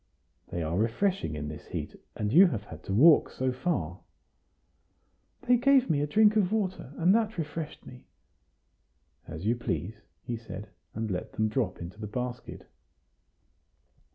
"They are refreshing in this heat, and you have had to walk so far." "They gave me a drink of water, and that refreshed me." "As you please," he said, and let them drop into the basket.